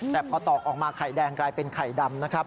แต่พอตอกออกมาไข่แดงกลายเป็นไข่ดำนะครับ